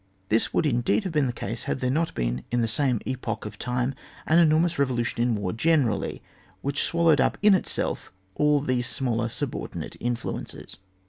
This would indeed have been the case had there not been, in the same epoch of time, an enormous revolution in war generally, which swallowed up in itself all these smaller subordinate influences.